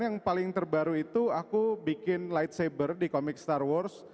yang paling terbaru itu aku bikin lightsaber di komik star wars